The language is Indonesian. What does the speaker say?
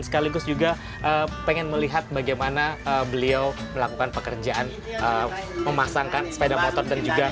sekaligus juga pengen melihat bagaimana beliau melakukan pekerjaan memasangkan sepeda motor dan juga